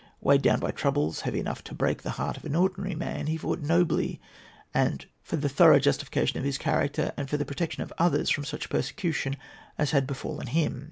Weighed down by troubles heavy enough to break the heart of an ordinary man, he fought nobly for the thorough justification of his character and for the protection of others from such persecution as had befallen him.